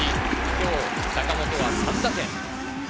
今日、坂本は３打点。